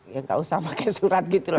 ya gak usah pakai surat gitu loh